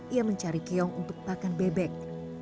ia mencari kiong untuk pakan bebek